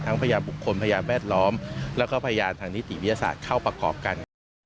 พยานบุคคลพยานแวดล้อมแล้วก็พยานทางนิติวิทยาศาสตร์เข้าประกอบกัน